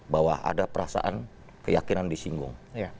bahwa ada perasaan keyakinan disinggung